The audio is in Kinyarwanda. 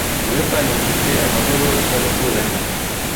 [S] Ubuyapani bufite amahoro n’abaturanyi